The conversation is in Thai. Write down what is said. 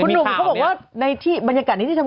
สวัสดีค่ะข้าวใส่ไข่สดใหม่เยอะสวัสดีค่ะ